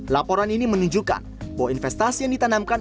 laporan ini menunjukkan bahwa investasi yang ditanamkan